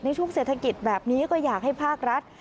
ในช่วงเศรษฐกิจแบบนี้ก็อยากให้ภาครัฐ